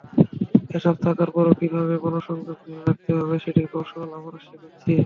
এসব থাকার পরও কীভাবে মনঃসংযোগ ধরে রাখতে হবে, সেটির কৌশল আমরা শেখাচ্ছি।